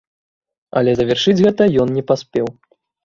Але завяршыць гэта ён не паспеў.